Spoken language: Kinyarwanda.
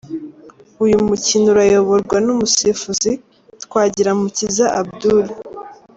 Uyu mukino urayoborwa n’umusifuzi Twagiramukiza Abdoul.